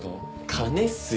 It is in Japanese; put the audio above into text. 金っすよ。